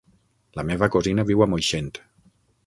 La meva cosina viu a Moixent.